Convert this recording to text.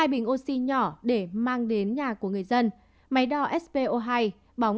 hai bình oxy nhỏ để mang đến nhà của người dân máy đo spo hai bóng